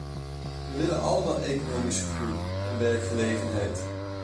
We willen allemaal economische groei en werkgelegenheid.